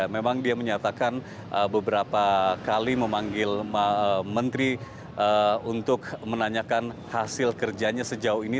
memang dia menyatakan beberapa kali memanggil menteri untuk menanyakan hasil kerjanya sejauh ini